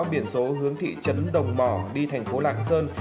biển số hướng thị trấn đồng mò đi tp lạng sơn